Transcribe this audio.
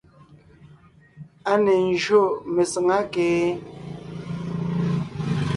A ne ńjÿô mesàŋá kee?